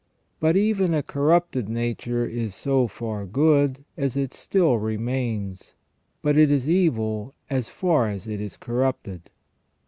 But even a corrupted nature is so far good as it still remains, but it is evil as far as it is corrupted."